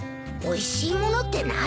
おいしいものって何？